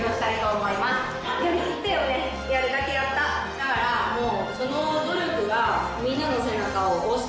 だからもう。